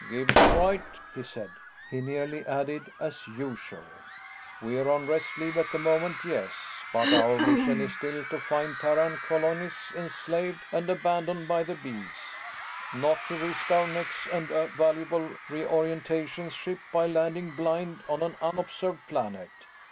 "Gib's right," he said. He nearly added as usual. "We're on rest leave at the moment, yes, but our mission is still to find Terran colonies enslaved and abandoned by the Bees, not to risk our necks and a valuable Reorientations ship by landing blind on an unobserved planet.